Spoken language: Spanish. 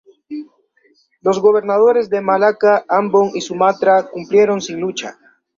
Los gobernadores de Malaca, Ambon y Sumatra cumplieron sin lucha.